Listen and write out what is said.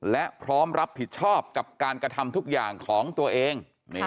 และพร้อมรับผิดชอบกับการกระทำทุกอย่างของตัวเอง